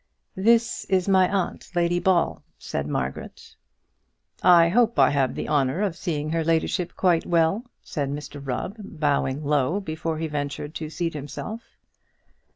"This is my aunt, Lady Ball," said Margaret. "I hope I have the honour of seeing her ladyship quite well," said Mr Rubb, bowing low before he ventured to seat himself.